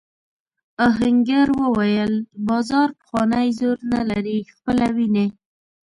آهنګر وویل بازار پخوانی زور نه لري خپله وینې.